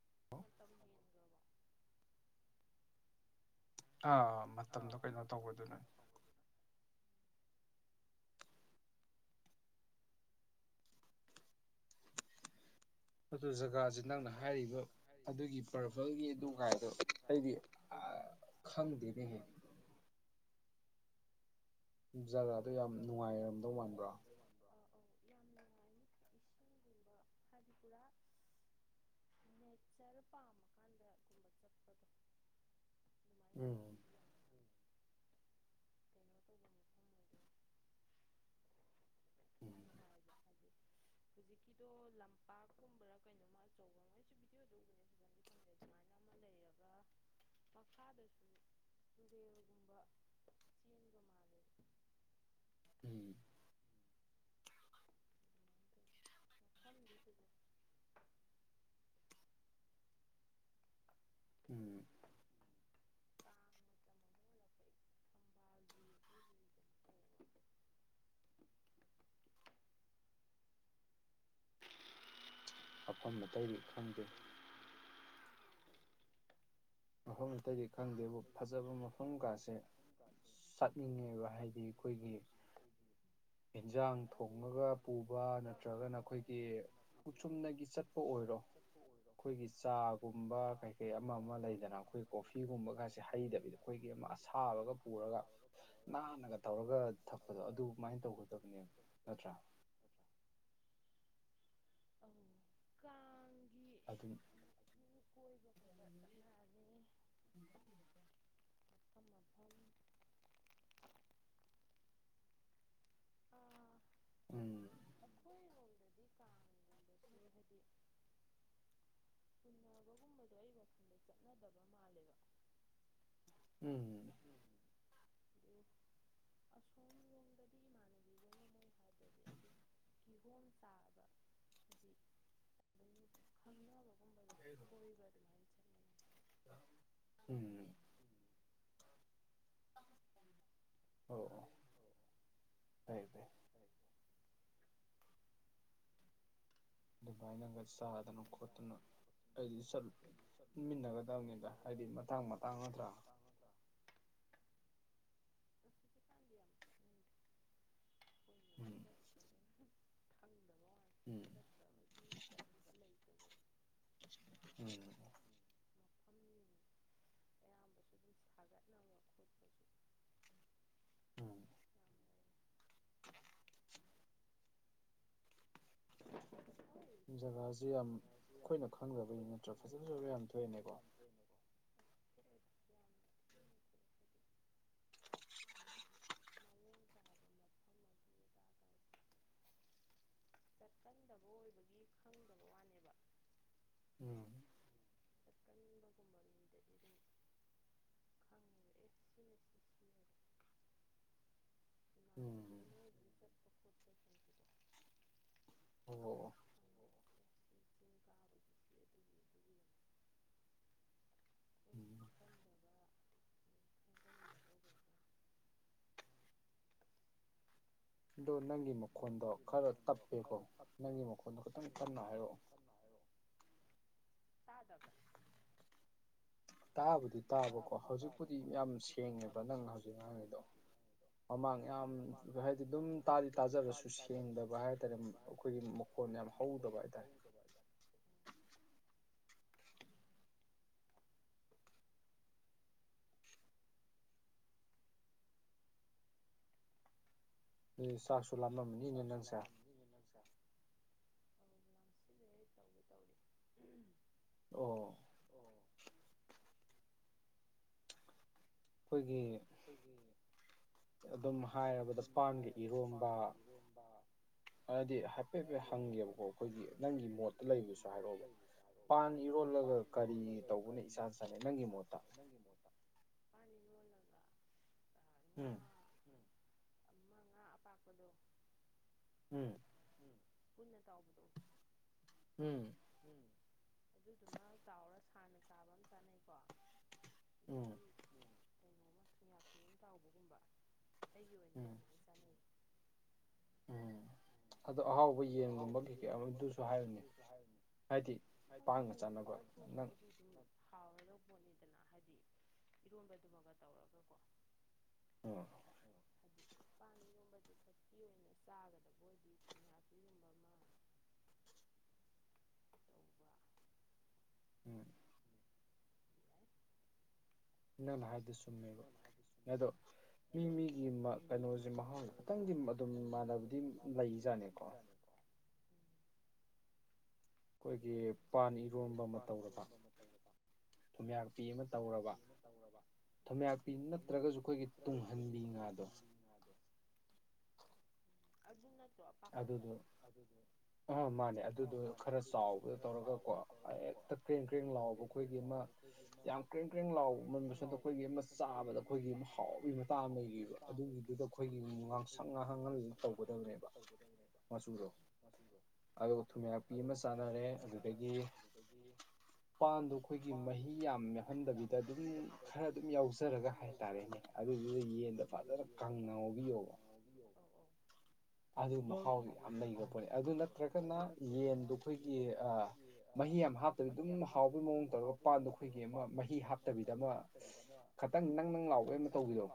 [inaudible] ꯑꯥ ꯃꯇꯝꯗꯣ ꯀꯩꯅꯣ ꯇꯧꯕꯗꯨꯅ ꯑꯗꯨ ꯖꯒꯥꯁꯤ ꯅꯪꯅ ꯍꯥꯏꯔꯤꯕ ꯑꯗꯨꯒꯤ ꯄꯔꯐꯜꯒꯤ ꯗꯨꯒꯥꯏꯗꯣ ꯑꯩꯗꯤ ꯑ ꯈꯪ ꯗꯦꯅꯦꯍꯦ ꯖꯒꯥꯗꯣ ꯌꯥꯝ ꯅꯨꯡꯉꯥꯏꯔꯝꯗꯧ ꯃꯥꯟꯕ꯭ꯔꯥ ꯑꯣ ꯌꯥꯝ ꯅꯨꯡꯉꯥꯏꯒꯨꯝꯕ ꯍꯥꯏꯗꯤ ꯄꯨꯔꯥ ꯅꯦꯆꯔ ꯄꯥꯝꯃ ꯀꯥꯟꯗꯒꯨꯝꯕ ꯆꯠꯄꯗꯣ ꯎꯝ ꯀꯩꯅꯣꯐꯝꯐꯝꯗꯤ ꯎꯝ ꯍꯧꯖꯤꯛꯀꯤꯗꯣ ꯂꯝꯄꯥꯛꯀꯨꯝꯕꯔꯥ ꯀꯩꯅꯣꯃ [inaudible] ꯃꯈꯥꯗꯁꯨ ꯇꯨꯔꯦꯜꯒꯨꯝꯕ ꯎꯝ ꯃꯝ [inaudible] [inaudible] ꯑꯐꯝ ꯑꯇꯩꯗꯤ ꯈꯪꯗꯦ ꯃꯐꯝ ꯑꯇꯩꯗꯤ ꯈꯪꯗꯦꯕꯨ ꯐꯖꯕ ꯃꯐꯝ ꯀꯥꯁꯦ ꯆꯠꯅꯤꯡꯉꯦꯕ ꯍꯥꯏꯗꯤ ꯑꯩꯈꯣꯏꯒꯤ ꯑꯦꯟꯖꯥꯡ ꯊꯣꯡꯉꯒ ꯄꯨꯕ ꯅꯠꯇ꯭ꯔꯒꯅ ꯑꯩꯈꯣꯏꯒꯤ ꯆꯨꯝꯅꯒꯤ ꯆꯠꯄ ꯑꯣꯏꯔꯣ ꯑꯩꯈꯣꯏꯒꯤ ꯆꯥꯒꯨꯝꯕ ꯀꯩ ꯀꯩ ꯑꯃ ꯑꯃ ꯂꯩꯗꯅ ꯑꯩꯈꯣꯏ ꯀꯣꯐꯤꯒꯨꯝꯕꯒꯥꯁꯦ ꯑꯩꯈꯣꯏꯒꯤ ꯑꯃ ꯑꯁꯥꯕꯒ ꯄꯨꯔꯒ ꯅꯥꯟꯅꯒ ꯇꯧꯔꯒ ꯊꯛꯄꯗꯣ ꯑꯗꯨꯃꯥꯏꯅ ꯇꯧꯒꯗꯕꯅꯦꯕ ꯅꯠꯇ꯭ꯔꯥ [inaudible] [inaudible] ꯑꯗꯨꯝ ꯀꯣꯏꯕꯒꯨꯝꯕ ꯆꯠꯅꯔꯅꯤ ꯎꯝ [unintelligible] ꯎꯝ ꯑꯩꯈꯣꯏꯔꯣꯝꯗꯗꯤ ꯀꯥꯡꯒꯨꯝꯕꯁꯨ ꯍꯥꯏꯗꯤ ꯎꯟꯅꯕꯒꯨꯝꯕꯗꯣ ꯑꯩ ꯋꯥꯈꯟꯗ ꯆꯠꯅꯗꯕ ꯃꯥꯜꯂꯦꯕ ꯎꯝ ꯑꯗꯣ ꯑꯁꯣꯝꯂꯣꯝꯗꯗꯤ ꯏꯃꯥꯅꯕꯤꯒ ꯃꯣꯏꯅ ꯍꯥꯏꯕꯗꯗꯤ ꯀꯤꯍꯣꯝ ꯆꯥꯕ ꯍꯥꯏꯗꯤ ꯑꯗꯨꯝ ꯈꯪꯅꯕ ꯀꯣꯏꯕ ꯑꯗꯨ ꯃꯥꯏ ꯆꯠꯅ ꯑꯣ ꯑꯣ ꯇꯥꯏ ꯇꯥꯏ ꯑꯗꯨꯃꯥꯏꯅꯒ ꯆꯥꯗꯅ ꯈꯣꯠꯇꯅ ꯑꯩꯗꯤ ꯆꯠ ꯄꯨꯟꯃꯤꯟꯅꯒꯗꯕꯅꯤꯗ ꯍꯥꯏꯗꯤ ꯃꯇꯥꯡ ꯃꯇꯥꯡ ꯅꯠꯇ꯭ꯔꯥ ꯊ ꯎꯝ ꯆꯠꯇꯕꯒꯤ ꯆꯠꯅꯕ ꯂꯩꯇꯕꯒꯤ ꯎꯝ [unintelligible] ꯎꯝ ꯖꯒꯥꯖꯦ ꯌꯥꯝ ꯑꯩꯁ ꯌꯥꯝ ꯑꯩꯈꯣꯏꯅ ꯈꯪꯒꯗꯅꯤ ꯅꯠꯇ꯭ꯔ ꯌꯥꯝ ꯊꯦꯡꯅꯀꯣ ꯆꯠꯀꯟꯗꯕ ꯑꯣꯏꯕꯒꯤ ꯈꯪꯗꯕ ꯋꯥꯅꯦꯕ [inaudible] [inaudible] ꯎꯝ ꯑꯣ [inaudible] ꯎꯝ [inaudible] [inaudible] ꯑꯗꯣ ꯅꯪꯒꯤ ꯃꯈꯣꯟꯗꯣ ꯈꯔ ꯇꯞꯄꯦꯀꯣ ꯅꯪꯒꯤ ꯃꯈꯣꯟꯗꯣ ꯈꯤꯇꯪ ꯀꯟꯅ ꯍꯥꯏꯔꯛꯑꯣ [inaudible] ꯇꯥꯗꯕ꯭ꯔꯥ ꯇꯥꯕꯨꯗꯤ ꯇꯥꯕꯀꯣ ꯍꯧꯖꯤꯛꯄꯨꯗꯤ ꯌꯥꯝ ꯁꯦꯡꯉꯦꯕ ꯅꯪꯅ ꯍꯧꯖꯤꯛ ꯉꯥꯡꯉꯤꯗꯣ ꯃꯃꯥꯡ ꯌꯥꯝ ꯌꯥꯝ ꯍꯥꯏꯗꯤ ꯑꯗꯨꯝ ꯇꯥꯗꯤ ꯇꯥꯖꯔꯁꯨ ꯁꯦꯡꯗꯕ ꯍꯥꯏꯇꯥꯔꯦ ꯑꯩꯈꯣꯏꯒꯤ ꯃꯈꯣꯟ ꯌꯥꯝ ꯍꯧꯗꯕ ꯍꯥꯏꯇꯥꯔꯦ ꯅꯣꯏꯗꯤ ꯆꯥꯛꯁꯨ ꯆꯥꯥꯛꯁꯨ ꯂꯥꯝꯃꯝꯃꯅꯤꯅꯦ ꯅꯪꯁꯦ ꯁꯤ ꯇꯧꯋ ꯇꯧꯔꯤ ꯑꯣ ꯒꯤ ꯑꯗꯨꯝ ꯍꯥꯏꯔꯕꯗ ꯄꯥꯟꯒ ꯏꯔꯣꯝꯕ ꯍꯥꯏꯗꯤ ꯍꯥꯏꯐꯦꯠ ꯍꯥꯏꯐꯦꯠ ꯍꯪꯒꯦꯕꯀꯣ ꯑꯩꯈꯣꯏꯒꯤ ꯅꯪꯒꯤ ꯃꯣꯠꯇ ꯂꯩꯕꯁꯨ ꯍꯥꯏꯔꯛꯑꯣꯕ ꯄꯥꯟ ꯏꯔꯣꯜ ꯂꯒ ꯀꯔꯤ ꯇꯧꯕꯅ ꯏꯆꯥꯟ ꯆꯥꯟꯅꯩ ꯅꯪꯒꯤ ꯃꯣꯠꯇ ꯎꯝ ꯑꯃ ꯉꯥ ꯑꯄꯥꯛꯄꯗꯣ ꯎꯝ ꯄꯨꯟꯅ ꯇꯥꯎꯕꯗꯣ ꯎꯝ ꯑꯗꯨꯗꯨꯃ ꯇꯥꯎꯔ ꯁꯥꯡꯅ ꯆꯥꯕ ꯑꯃ ꯆꯥꯅꯩꯀꯣ ꯎꯝ ꯀꯩꯅꯣꯃ ꯊꯨꯝꯌꯥꯛꯄꯤ ꯑꯃ ꯇꯥꯎꯕꯒꯨꯝꯕ ꯎꯝ ꯎꯝ ꯑꯗꯣ ꯑꯍꯥꯎꯕ ꯌꯦꯟꯒꯨꯝꯕ ꯀꯩꯀꯩ ꯑꯗꯨꯁꯨ ꯍꯥꯏꯌꯨꯅꯦ ꯍꯥꯏꯗꯤ [unintelligible] ꯍꯥꯎꯔꯗꯧ ꯄꯣꯠꯅꯤꯗꯅ ꯍꯥꯏꯗꯤ ꯏꯔꯣꯟꯕꯗꯨꯃꯒ ꯑꯣ ꯄꯥꯟ ꯏꯔꯣꯝꯕꯗꯨ ꯈꯛꯀꯤ ꯑꯣꯏꯅ ꯆꯥꯒꯗꯕ ꯑꯣꯏꯗꯤ ꯊꯨꯝꯌꯥꯛꯄꯤꯒꯨꯝꯕ ꯑꯃ ꯎꯝ ꯅꯪꯅ ꯍꯥꯏꯗꯣ ꯆꯨꯝꯃꯦꯕ ꯑꯗꯣ ꯃꯤ ꯃꯤꯒꯤ ꯃ ꯀꯩꯅꯣꯖꯦ ꯃꯍꯥꯎꯖꯦ ꯈꯤꯇꯪꯗꯤ ꯑꯗꯨꯝ ꯃꯥꯟꯅꯕꯗꯤ ꯂꯩꯖꯥꯠꯅꯦꯀꯣ [inaudible] ꯈꯣꯏꯒꯤ ꯑꯩꯈꯣꯏꯒꯤ ꯄꯥꯟ ꯏꯔꯣꯟꯕ ꯑꯃ ꯇꯧꯕꯗ ꯊꯨꯝꯌꯥꯛꯄꯤ ꯑꯃ ꯇꯧꯔꯕ ꯊꯨꯝꯌꯥꯛꯄꯤ ꯅꯠꯇ꯭ꯔꯒꯁꯨ ꯑꯩꯈꯣꯏꯒꯤ ꯇꯨꯡꯍꯟꯕꯤ ꯉꯥꯗꯣ ꯑꯗꯨꯅ ꯑꯗꯨꯗꯣ ꯑ ꯃꯥꯅꯦ ꯑꯗꯨꯗꯣ ꯈꯔ ꯆꯥꯎꯕꯗ ꯇꯧꯔꯒꯀꯣ ꯍꯦꯛꯇ ꯀ꯭ꯔꯦꯡ ꯀ꯭ꯔꯦꯡ ꯂꯥꯎꯕ ꯑꯩꯈꯣꯏꯒꯤ ꯑꯃ ꯌꯥꯝ ꯀ꯭ꯔꯦꯡ ꯀ꯭ꯔꯦꯡ ꯂꯥꯎꯃꯟꯕꯁꯨ ꯅꯠꯇꯕ ꯑꯩꯈꯣꯏꯒꯤ ꯑꯃ ꯆꯥꯕꯗ ꯗ ꯑꯩꯈꯣꯏꯒꯤ ꯑꯃ ꯍꯥꯎꯕꯒꯤ ꯃꯇꯥꯡ ꯑꯃ ꯂꯩꯔꯤꯌꯦꯕ ꯑꯗꯨꯒꯤꯗꯨꯗ ꯑꯩꯈꯣꯏꯒꯤ ꯉꯥꯡꯁꯪ ꯉꯥꯡꯍꯜꯂ ꯇꯧꯒꯗꯕꯅꯦꯕ ꯃꯆꯨꯗꯣ ꯑꯗꯨꯒ ꯊꯨꯝꯌꯥꯛꯄꯤ ꯑꯃ ꯆꯥꯅꯔꯦ ꯑꯗꯨ ꯑꯗꯒꯤ ꯄꯥꯟꯗꯣ ꯑꯩꯈꯣꯏꯒꯤ ꯃꯍꯤ ꯌꯥꯝ ꯌꯥꯎꯍꯟꯗꯕꯤꯗ ꯑꯗꯨꯝ ꯈꯔ ꯑꯗꯨꯝ ꯌꯥꯎꯖꯔꯒ ꯍꯥꯏꯇꯥꯔꯦꯅꯦ ꯑꯗꯨꯗꯨꯗ ꯌꯦꯟꯗꯣ ꯐꯖꯅ ꯀꯪꯅ ꯉꯧꯕꯤꯌꯣꯕ ꯑꯗꯨ ꯃꯍꯥꯎꯗꯤ ꯌꯥꯝ ꯅꯩꯕ ꯄꯣꯠꯅꯦ ꯑꯗꯨ ꯅꯠꯇ꯭ꯔꯒꯅ ꯌꯦꯟꯗꯣ ꯈꯣꯏꯒꯤ ꯑꯥ ꯃꯍꯤ ꯌꯥꯝ ꯍꯥꯞꯇꯕꯤ ꯗꯨꯝ ꯍꯥꯎꯕꯩ ꯃꯑꯣꯡ ꯇꯧꯔꯒ ꯄꯥꯟꯗꯣ ꯑꯩꯈꯣꯏꯒꯤ ꯑꯃ ꯃꯍꯤ ꯍꯥꯞꯇꯕꯤꯗ ꯑꯃ ꯈ ꯇꯪ ꯅꯪ ꯅꯪ ꯂꯥꯎꯕꯩ ꯑꯃ ꯇꯧꯕꯤꯗꯣ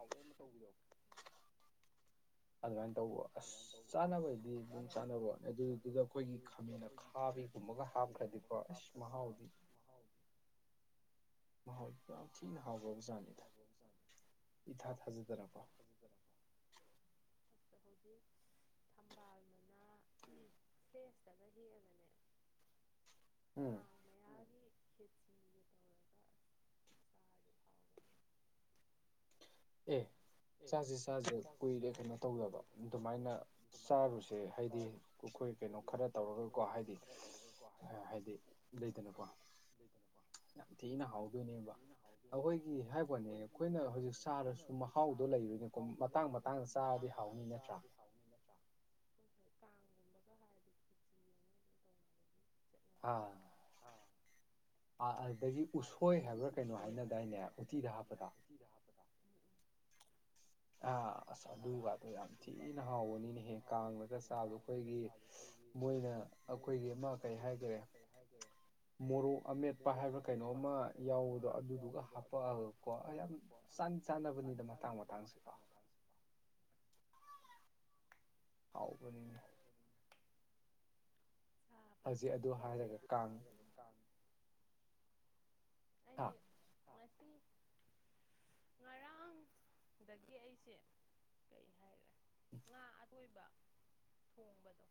ꯇꯧꯕ ꯑꯁ ꯆꯥꯅꯕꯩꯗꯤ ꯑꯗꯨꯝ ꯆꯥꯅꯕ ꯑꯗꯨꯗꯨꯗ ꯑꯩꯈꯣꯏꯒꯤ ꯈꯥꯃꯦꯟ ꯑꯈꯥꯕꯤꯒꯨꯝꯕꯒ ꯍꯥꯞꯈ꯭ꯔꯗꯤꯀꯣ ꯍꯥꯞꯈ꯭ꯔꯗꯤꯀꯣ ꯃꯍꯥꯎꯗꯤ ꯃꯍꯥꯎꯗꯣ ꯌꯥꯝ ꯊꯤꯅ ꯍꯥꯎꯒ꯭ꯔꯕꯖꯥꯠꯅꯤꯗ ꯏꯊꯥ ꯊꯥꯖꯗꯅꯀꯣ [inaudible] ꯊꯝꯕꯥꯜꯗꯨꯅ ꯎꯝ ꯐ꯭ꯔꯦꯁꯇꯒ ꯍꯦꯛꯑꯒꯅꯦ ꯎꯝ ꯑꯗꯨꯒꯤ ꯈꯦꯆꯤꯒ ꯇꯧꯔꯒ ꯆꯥꯔꯗꯤ ꯍꯥꯎꯔꯅꯤ ꯑꯦ ꯆꯥꯁꯦ ꯆꯥꯁꯦ ꯀꯨꯏꯔꯦ ꯀꯩꯅꯣ ꯇꯧꯗꯕ ꯑꯗꯨꯃꯥꯏꯅ ꯆꯥꯔꯨꯁꯦ ꯍꯥꯏꯗꯤ ꯑꯩꯈꯣꯏ ꯀꯩꯅꯣ ꯈꯔ ꯇꯧꯔꯒꯀꯣ ꯍꯥꯏꯗꯤ ꯑꯥ ꯍꯥꯏꯗꯤ ꯂꯩꯗꯅꯀꯣ ꯌꯥꯝ ꯊꯤꯅ ꯍꯥꯎꯗꯣꯏꯅꯦꯕ ꯑꯩꯈꯣꯏꯒꯤ ꯍꯥꯏꯕꯋꯥꯅꯦ ꯑꯩꯈꯣꯏꯅ ꯍꯨꯖꯤꯛꯁꯨ ꯆꯥꯔꯁꯨ ꯃꯍꯥꯎꯗꯣ ꯂꯩꯔꯣꯏꯅꯦꯀꯣ ꯃꯇꯥꯡ ꯃꯇꯥꯡꯗ ꯆꯥꯔꯗꯤ ꯍꯥ ꯃꯇꯥꯡꯗ ꯆꯥꯔꯗꯤ ꯍꯥꯥꯎꯅꯤ ꯅꯠꯇ꯭ꯔ ꯎꯝ [unintelligible] ꯑꯥ ꯑꯥ ꯑꯗꯨꯗꯒꯤ ꯎꯁꯣꯏ ꯍꯥꯏꯕ꯭ꯔ ꯀꯩꯅꯣ ꯍꯥꯏꯅꯗꯥꯏꯅꯦ ꯎꯇꯤꯗ ꯍꯥꯞꯄꯗꯣ ꯑꯥ ꯑꯁ ꯑꯗꯨꯒ ꯑꯗꯣ ꯌꯥꯝ ꯊꯤꯅ ꯍꯥꯎꯕꯅꯤꯅꯦꯍꯦ ꯀꯥꯡꯗꯒ ꯆꯥꯕꯗ ꯑꯩꯈꯣꯏꯒꯤ ꯃꯣꯏꯅ ꯑꯩꯈꯣꯏꯒꯤ ꯑꯩꯈꯣꯏꯒꯤ ꯑꯃ ꯀꯔꯤ ꯍꯥꯏꯒꯔꯦ ꯃꯣꯔꯣꯛ ꯑꯃꯦꯠꯄ ꯍꯥꯏꯕ꯭ꯔ ꯀꯩꯅꯣ ꯑꯃ ꯌꯥꯎꯕꯗꯣ ꯑꯗꯨꯗꯨꯒ ꯍꯥꯄꯛꯑꯒꯀꯣ ꯑ ꯌꯥꯝ ꯆꯥ ꯆꯥꯟ ꯆꯥꯟꯅꯕꯅꯤꯗ ꯃꯇꯥꯡ ꯃꯇꯥꯡꯁꯨꯀꯣ ꯍꯥꯎꯕꯅꯤꯅꯦ ꯍꯧꯖꯤꯛ ꯑꯗꯨ ꯍꯥꯏꯔꯒ ꯀꯥꯡ ꯍꯥꯏ [inaudible] ꯉꯔꯥꯡꯗꯒꯤ ꯑꯩꯁꯦ ꯀꯩ ꯍꯥꯏꯔꯦ ꯑꯀꯣꯏꯕ ꯊꯣꯡꯕꯗꯣ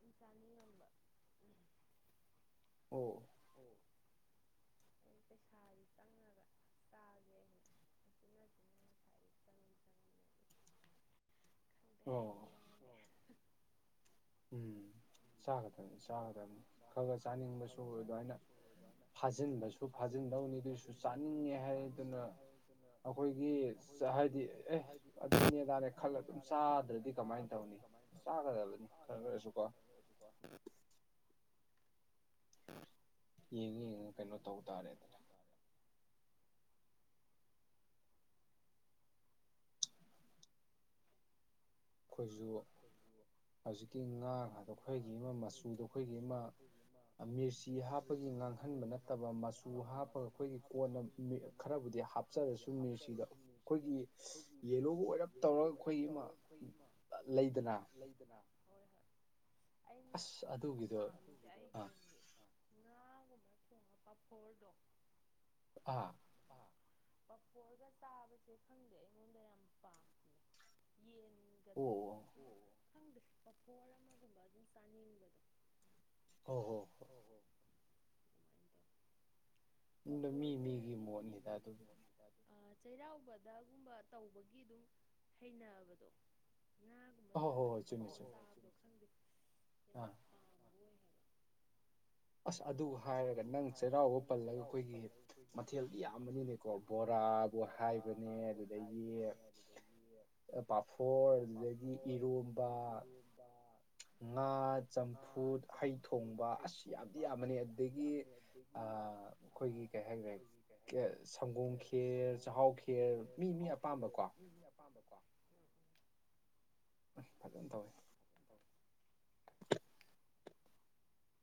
ꯌꯥ ꯇꯅꯤꯝꯕ [inaudible] ꯑꯩ ꯄꯩꯁꯥꯗꯤ ꯆꯪꯉꯒ ꯇꯥꯒꯦꯅ ꯑꯗꯨꯅ ꯑꯣ ꯎꯝ ꯆꯒꯗ ꯆꯥꯒꯗꯕꯅꯤ ꯈꯔ ꯈꯔ ꯆꯥꯅꯤꯡꯕꯁꯨ ꯑꯗꯨꯃꯥꯏꯅ ꯐꯥꯖꯤꯟꯕꯁꯨ ꯐꯥꯖꯤꯟꯗꯧꯅꯤ ꯑꯗꯨ ꯀ ꯆꯥꯅꯤꯡꯉꯦ ꯍꯥꯏ ꯑꯗꯨꯅ ꯑꯩꯈꯣꯏꯒꯤ ꯍꯥꯏꯗꯤ ꯑꯦ ꯑꯗꯨꯅꯦ ꯃꯥꯔꯦ ꯈꯜꯂ ꯑꯗꯨꯝ ꯆꯥꯗ꯭ꯔꯗꯤ ꯀꯃꯥꯏꯅ ꯇꯧꯅꯤ ꯆꯥꯒꯗꯕꯅꯤ ꯈꯔ ꯈꯔꯁꯨꯀꯣ ꯌꯦꯡꯉ ꯌꯦꯡꯉ ꯀꯩꯅꯣ ꯇꯧ ꯇꯥꯔꯦꯗꯅ ꯑꯩꯈꯣꯏꯁꯨ ꯍꯧꯖꯤꯛꯀꯤ ꯉꯥꯗꯣ ꯑꯩꯈꯣꯏꯒꯤ ꯑꯃ ꯃꯆꯨꯗꯣ ꯑꯩꯈꯣꯏꯒꯤ ꯑꯃ ꯃꯤꯔꯆꯤ ꯍꯥꯞꯄꯒꯤ ꯉꯥꯡꯍꯟꯕ ꯅꯠꯇꯕ ꯃꯆꯨ ꯍꯥꯞꯄꯒ ꯑꯩꯈꯣꯏꯒꯤ ꯀꯣꯟꯅ ꯈꯔꯕꯨꯗꯤ ꯍꯥꯞꯆꯔꯁꯨ ꯃꯤꯁꯤꯗ ꯑꯩꯈꯣꯏꯒꯤ ꯌꯦꯂꯣꯕꯨ ꯑꯣꯏꯔꯞ ꯇꯧꯔꯒ ꯑꯩꯈꯣꯏꯒꯤ ꯃꯥ ꯂꯩꯗꯅ ꯑꯩꯅꯒꯤ ꯑꯣꯏꯅꯗꯤ ꯊꯉꯄꯥ ꯐꯣꯔꯗꯣ ꯑꯥ ꯄꯄꯣꯔꯒ ꯆꯥꯕꯁꯦ ꯈꯪꯗꯦ ꯑꯩꯉꯣꯟꯗ ꯌꯥꯝ ꯄꯥꯝꯃꯤꯦ ꯌꯦꯟ ꯑꯣ ꯈꯪꯗ꯭ꯔ ꯄꯣꯊꯣꯜ ꯑꯃꯒꯨꯝꯕ ꯑꯗꯨꯝ ꯆꯥꯅꯤꯡꯕꯗꯣ ꯍ ꯍꯣꯏ ꯍꯣꯏ ꯁꯦ ꯆꯩꯔꯥꯎꯕꯗꯒꯨꯝꯕ ꯇꯧꯕꯒꯤ ꯑꯗꯨꯝ ꯍꯩꯅꯕꯗꯣ ꯍ ꯍꯣꯏ ꯍꯣꯏ ꯆꯨꯝꯃꯦ ꯆꯨꯝꯃꯦ ꯑ ꯑꯁ ꯑꯗꯨ ꯍꯥꯏꯔꯒ ꯅꯪ ꯆꯩꯔꯥꯎꯕ ꯄꯜꯂꯒ ꯑꯩꯈꯣꯏꯒꯤ ꯃꯊꯦꯜ ꯌꯥꯝꯕꯅꯤꯅꯦꯀꯣ ꯕꯣꯔꯥ ꯕꯨ ꯍꯥꯏꯕꯅꯦ ꯑꯗꯨꯗꯒꯤ ꯄꯥꯐꯣꯔ ꯑꯗꯨꯗꯒꯤ ꯏꯔꯣ ꯉꯥ ꯆꯝꯐꯨꯠ ꯍꯩ ꯊꯣꯡꯕ ꯑꯁꯤ ꯌꯥꯗꯤ ꯌꯥꯝ ꯑꯃꯅꯤꯅꯤ ꯑꯗꯒꯤ ꯑꯩꯈꯣꯏꯒꯤ ꯀꯩ ꯍꯥꯏꯈ꯭ꯔꯦ ꯁꯪꯒꯣꯝ ꯈꯦꯔ ꯆ ꯀꯥꯎꯈꯤꯦꯔ ꯃꯤ ꯃꯤ ꯑꯄꯥꯝꯕ ꯀꯣ ꯐꯖꯅ ꯇꯋꯦ